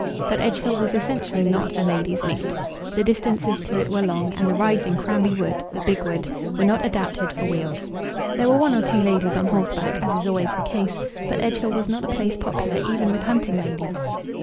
But Edgehill was, essentially, not a ladies' meet. The distances to it were long, and the rides in Cranby Wood the big wood were not adapted for wheels. There were one or two ladies on horseback, as is always the case; but Edgehill was not a place popular, even with hunting ladies.